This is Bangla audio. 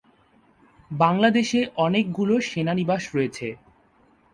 বাংলাদেশে অনেকগুলো সেনানিবাস রয়েছে।